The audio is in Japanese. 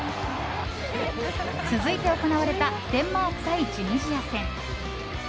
続いて行われたデンマーク対チュニジア戦。